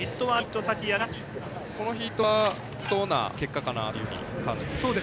このヒートは順当な結果かなと感じます。